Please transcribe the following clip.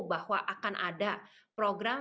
bahwa akan ada program